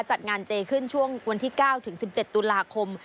จัดงานเจขึ้นช่วงวันที่๙ถึง๑๗ตุลาคม